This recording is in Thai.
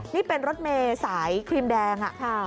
นี่เป็นรถเมย์สายครีมแดง